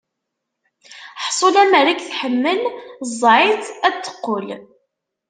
Ḥṣu lemmer i k-tḥemmel, ẓẓeɛ-itt ad d-teqqel.